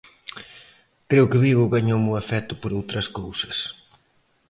Creo que Vigo gañoume o afecto por outras cousas.